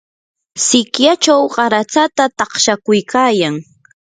sikyachaw qaratsata taqshakuykayan.